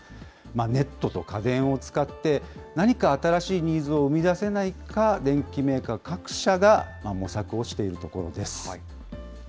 ネットと家電を使って、何か新しいニーズを生み出せないか、電機メーカー各社が模索をしているところです。